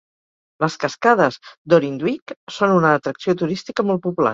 Les cascades d'Orinduik són una atracció turística molt popular.